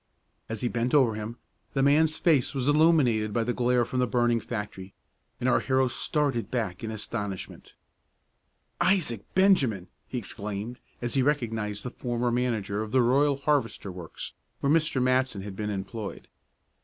As he bent over him, the man's face was illuminated by the glare from the burning factory, and our hero started back in astonishment. "Isaac Benjamin!" he exclaimed, as he recognized the former manager of the Royal Harvester works where Mr. Matson had been employed.